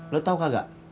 lo tau gak